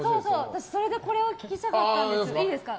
私それでこれをお聞きしたかったんです。